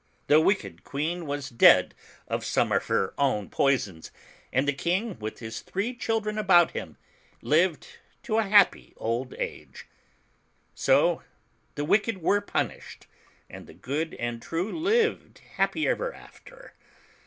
The wicked Queen was dead of some of her own poisons, and the King, with his three children about him, lived to a happy old age. So the wicked were punished, and the good and true lived happy ever after.